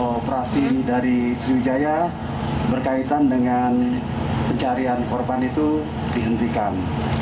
operasi dari sriwijaya berkaitan dengan pencarian korban itu dihentikan